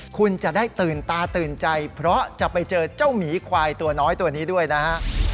คุณจะได้ตื่นตาตื่นใจเพราะจะไปเจอเจ้าหมีควายตัวน้อยตัวนี้ด้วยนะฮะ